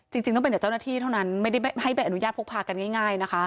จริงต้องเป็นแต่เจ้าหน้าที่เท่านั้นไม่ได้ให้ใบอนุญาตพกพากันง่ายนะคะ